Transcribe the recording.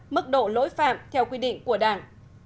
mức độ lỗi phạm theo quy định của đảng